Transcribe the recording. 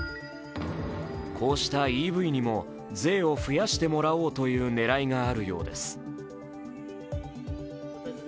こうしたＥＶにも税を増やしてもらおうという狙いがあるようです。